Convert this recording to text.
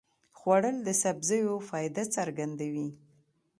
خوړل د سبزیو فایده څرګندوي